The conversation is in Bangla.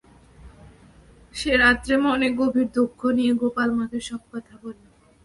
সে রাত্রে মনে গভীর দুঃখ নিয়ে গোপাল মাকে সব কথা বলল।